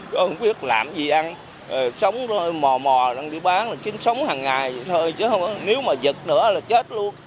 không biết làm gì ăn sống mò mò đang đi bán là chính sống hàng ngày thôi chứ không nếu mà giật nữa là chết luôn